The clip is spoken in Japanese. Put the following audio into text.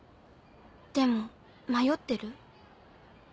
でも迷ってる？